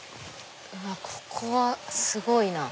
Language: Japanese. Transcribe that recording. ここはすごいな。